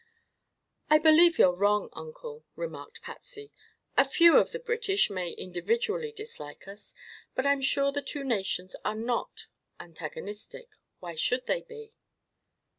"I believe you're wrong, Uncle," remarked Patsy. "A few of the British may individually dislike us, but I'm sure the two nations are not antagonistic. Why should they be?"